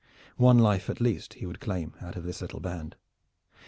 One life at least he would claim out of this little band.